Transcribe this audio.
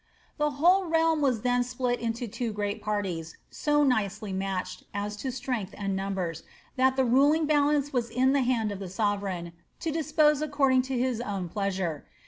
The whole realm was then split into two great parties, so nicely Batched, as to strength and numbers, that the ruling balance was in the hand of the sovereign, to dispose according to his own pleasure.